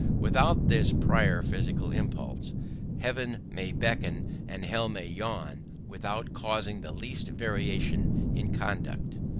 Without this prior physical impulse, heaven may beckon and hell may yawn without causing the least variation in conduct.